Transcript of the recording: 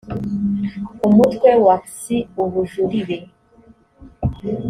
umutwe wa xi ubujurire